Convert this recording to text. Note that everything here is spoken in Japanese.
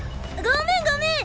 ごめんごめん！